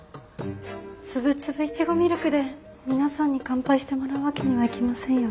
つぶつぶいちごミルクで皆さんに乾杯してもらうわけにはいきませんよね。